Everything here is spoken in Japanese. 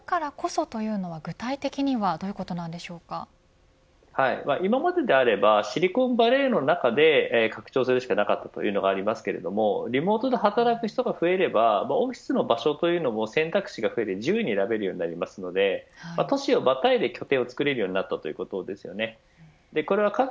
リモートワークするからこそというのは、具体的には今までであればシリコンバレーの中で拡張するしかなかったというのもありますけれどもリモートで働く人が増えればオフィスの場所というのも選択肢が増えて、自由に選べるようになりますので都市をまたいで拠点が作れるようになったということですかね。